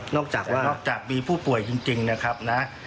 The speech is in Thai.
นอกจากมีผู้ป่วยจริงนะครับนะ